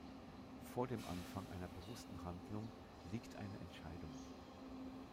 Vor dem Anfang einer bewussten Handlung liegt eine Entscheidung.